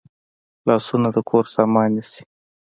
لاسونه د کور سامان نیسي